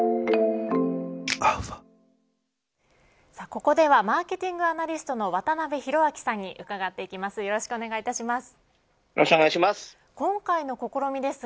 ここではマーケティングアナリストの渡辺広明さんに伺っていきます。